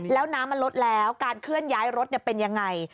แล้วน้ำมันลดแล้วการเคลื่อนย้ายรถเป็นยังไง